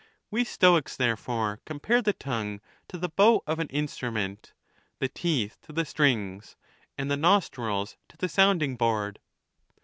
We Stoics, there fore, compare the tongue to the bow of an instrument, the teeth to the strings, and the nostrils to the sounding board.